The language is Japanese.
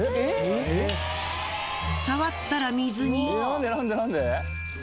触ったら水に！？